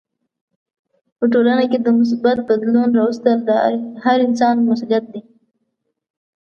په ټولنه کې د مثبت بدلون راوستل هر انسان مسولیت دی.